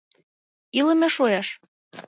— Илыме шуэш.